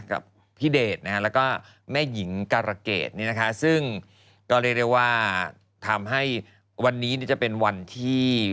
กับพี่เดชนะฮะแล้วก็แม่หญิงการะเกดเนี่ยนะคะซึ่งก็เรียกได้ว่าทำให้วันนี้จะเป็นวันที่